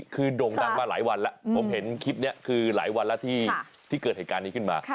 คือโด่งดังมาหลายวันแล้วผมเห็นคลิปนี้คือหลายวันแล้วที่เกิดเหตุการณ์นี้ขึ้นมา